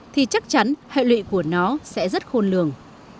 thì chắc chắn hệ lụy của nó sẽ rất khôn lường